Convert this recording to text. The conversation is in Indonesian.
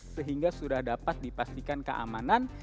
sehingga sudah dapat dipastikan keamanan